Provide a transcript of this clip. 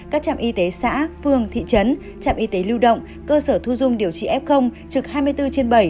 các trạm y tế xã phương thị trấn trạm y tế lưu động cơ sở thu dung điều trị f trực hai mươi bốn trên bảy